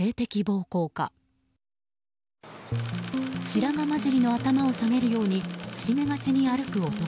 白髪交じりの頭を下げるように伏し目がちに歩く男。